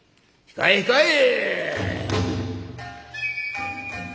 控え控え！」。